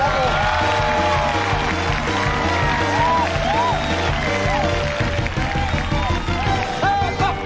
เทอร์ก๊อบ